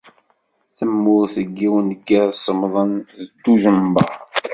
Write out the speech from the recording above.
Temmut deg yiwen n yiḍ semmḍen n duǧember.